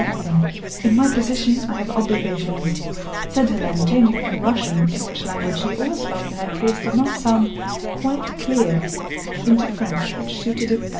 Dans ma position j'ai des devoirs," * said Hélène changing from Russian, in which language she always felt that her case did not sound quite clear, into French which suited it better.